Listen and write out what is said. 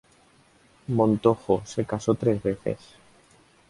Montojo se casó tres veces.